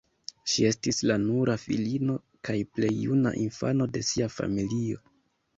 Ŝi estis la nura filino kaj plej juna infano de sia familio.